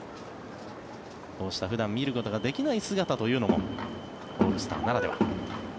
こうした普段見ることができない姿というのもオールスターならでは。